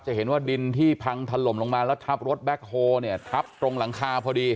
เห็นว่าดินที่พังถล่มลงมาแล้วทับรถแบ็คโฮเนี่ยทับตรงหลังคาพอดี